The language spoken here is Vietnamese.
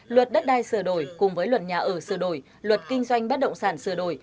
luật đất đai sửa đổi cùng với luật nhà ở sửa đổi luật kinh doanh bất động sản sửa đổi